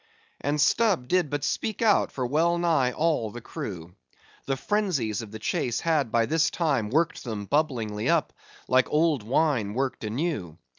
And Stubb did but speak out for well nigh all that crew. The frenzies of the chase had by this time worked them bubblingly up, like old wine worked anew.